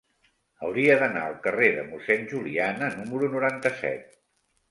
Hauria d'anar al carrer de Mossèn Juliana número noranta-set.